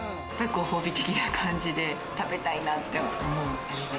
ご褒美的な感じで食べたいなって思う。